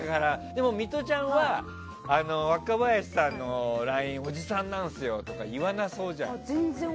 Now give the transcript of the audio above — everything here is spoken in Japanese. でもミトちゃんは若林さんのＬＩＮＥおじさんなんですよとか言わなそうじゃん。